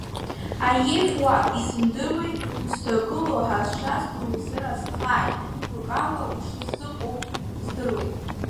Аиеи Фуаҭ, исымдыруеи узҭагылоу, ҳазшаз дузыразхааит, гәык ала ушысзыҟоу здыруеит.